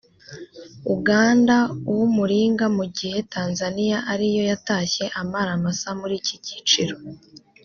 Uganda uw’umuringa mu gihe Tanzania ariyo yatashye amara masa muri iki cyiciro